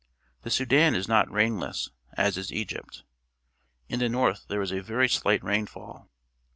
The Sudan is not rainless, as is Egypt. In the north there is a very sUght rainfall.